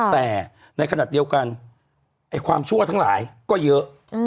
แต่ในขณะเดียวกันความชั่วทั้งหลายก็เยอะ